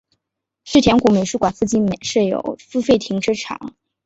世田谷美术馆附近设有付费停车场。